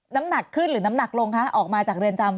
น้ำหนักขึ้นหรือน้ำหนักลงคะออกมาจากเรือนจำ